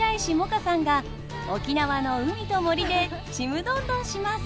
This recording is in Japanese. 歌さんが沖縄の海と森でちむどんどんします！